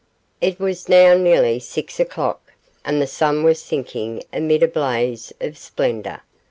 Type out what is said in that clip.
It was now nearly six o'clock, and the sun was sinking amid a blaze of splendour.